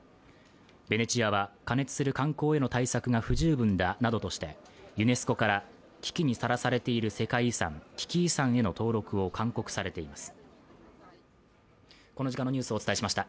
ベネチアは過熱する観光への対策が不十分だなどとしてユネスコから危機にさらされている世界遺産危機遺産への登録を勧告されています。